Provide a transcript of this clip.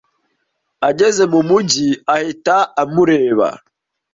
Ageze mu mujyi, ahita amureba.